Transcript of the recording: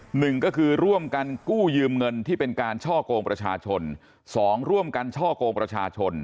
หนึ่งก็คือร่วมกันกู้ยืมเงินที่เป็นการช่อกงประชาชนสองร่วมกันช่อกงประชาชน